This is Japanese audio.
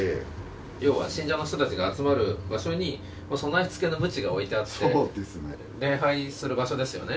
要は信者の人たちが集まる場所に備えつけのむちが置いてあって、礼拝する場所ですよね。